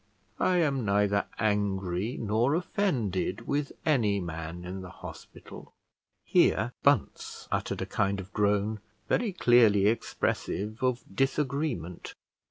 I am neither angry nor offended with any man in the hospital." Here Bunce uttered a kind of groan, very clearly expressive of disagreement.